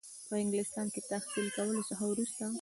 په انګلستان کې تحصیل کولو څخه وروسته.